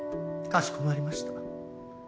かしこまりました。